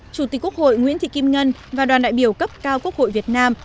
chủ tịch quốc hội nguyễn thị kim ngân và đoàn đại biểu cấp cao quốc hội việt nam